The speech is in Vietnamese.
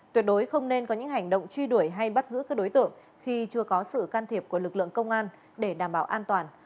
tuyệt đối không nên có những hành động truy đuổi hay bắt giữ các đối tượng khi chưa có sự can thiệp của lực lượng công an để đảm bảo an toàn